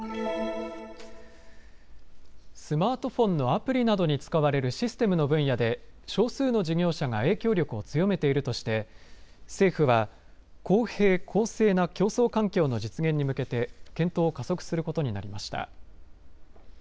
スマートフォンのアプリなどに使われるシステムの分野で少数の事業者が影響力を強めているとして、政府は公平・公正な競争環境の実現に向けて検討を加速することになりました。